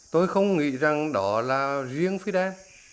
tôi không nghĩ rằng đó là riêng fidel